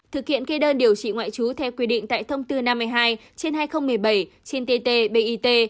thực hiện kê đơn điều trị ngoại trú theo quy định tại thông tư năm mươi hai trên hai nghìn một mươi bảy tt bit